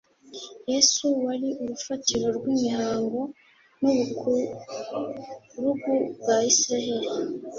Yesu wari urufatiro rw'imihango n'ubukurugu bwa Isirayeli,